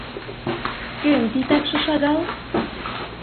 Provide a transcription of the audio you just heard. Кӧн титакше шагал?